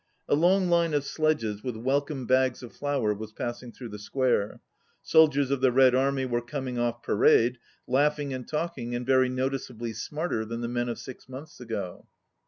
A long line of sledges with welcome bags of flour was passing through the square. Soldiers of the Red Army were coming off parade, laughing and talking, and very noticeably smarter than the men of six months ago.